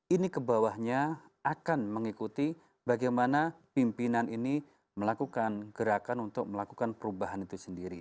ini kebawahnya akan mengikuti bagaimana pimpinan ini melakukan gerakan untuk melakukan perubahan itu sendiri